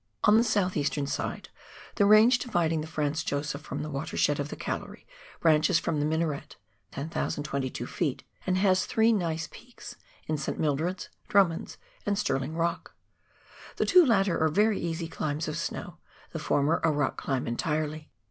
On tlie soutli easterii side, the range divid ing the Franz Josef from the watershed of the Gallery, branches from the Minaret (10,022 ft.), and has three nice peaks in St. Mildred's, Drummond's, and Stirling Rock. The two latter are very easy climbs of snow — the former a rock climb entirely.